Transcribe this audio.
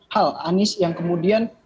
hal anis yang kemudian